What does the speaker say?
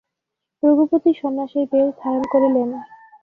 রঘুপতি সন্ন্যাসীর বেশ ধারণ করিলেন।